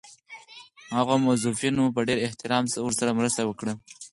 هغو موظفینو په ډېر احترام ورسره مرسته وکړه.